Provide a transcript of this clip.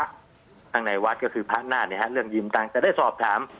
ข้างในวัดก็คือพระนาฏเรื่องยืมตังค์จะได้สอบถาม